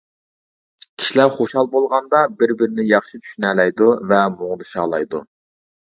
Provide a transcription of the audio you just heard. كىشىلەر خۇشال بولغاندا بىر-بىرىنى ياخشى چۈشىنەلەيدۇ ۋە مۇڭدىشالايدۇ.